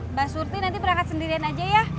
mbak surti nanti berangkat sendirian aja ya